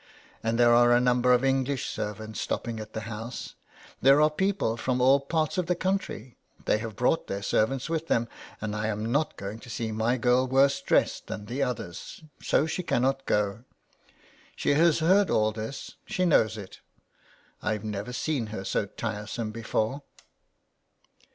And there are a number of English servants stopping at the house ; there are people from all parts of the country, they have brought their ser vants with them, and I am not going to see my girl worse dressed than the others, so she cannot go. She has heard all this, she knows it. ... I've never seen her so tiresome before."